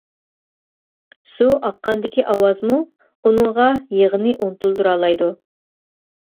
سۇ ئاققاندىكى ئاۋازمۇ ئۇنىڭغا يىغىنى ئۇنتۇلدۇرالايدۇ.